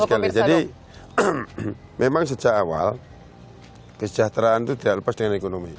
jadi banyak sekali jadi memang sejak awal kesejahteraan itu tidak lepas dengan ekonomi